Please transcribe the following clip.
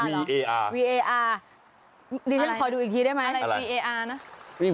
นี่ฉันขอดูอีกทีได้ไหม